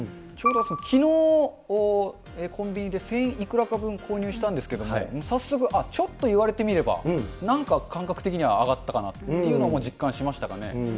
ちょうど、きのう、コンビニで千いくらか分購入したんですけれども、早速、あっ、ちょっと言われてみれば、なんか、感覚的には上がったかなっていうのはもう、実感しましたかね。